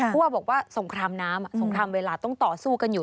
ว่าบอกว่าสงครามน้ำสงครามเวลาต้องต่อสู้กันอยู่